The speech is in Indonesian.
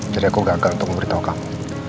jadi aku gagal untuk memberitahu kamu